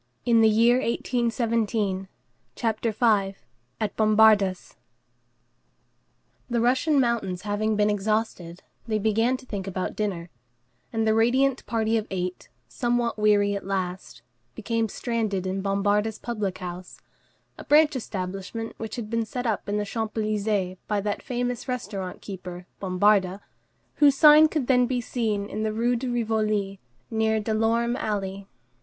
I claim the surprise." "Patience," replied Tholomyès. CHAPTER V—AT BOMBARDA'S The Russian mountains having been exhausted, they began to think about dinner; and the radiant party of eight, somewhat weary at last, became stranded in Bombarda's public house, a branch establishment which had been set up in the Champs Élysées by that famous restaurant keeper, Bombarda, whose sign could then be seen in the Rue de Rivoli, near Delorme Alley.